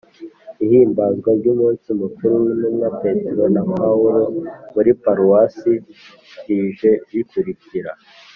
ihimbazwa ry’umunsi mukuru w’intumwa petero na paulo muri paruwasi rije rikurikira